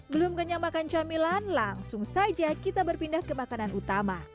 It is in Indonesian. belum kenyang makan camilan langsung saja kita berpindah ke makanan utama